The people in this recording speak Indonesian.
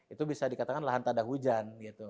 itu bisa dikatakan lahan tak ada hujan